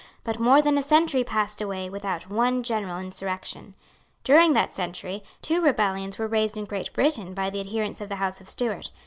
But more than a century passed away without one general insurrection. During that century, two rebellions were raised in Great Britain by the adherents of the House of Stuart.